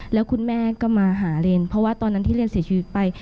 แล้วคุณแม่ก็มาหาเรียนเพราะว่าตอนนั้นที่เรียนเสียชีวิตไป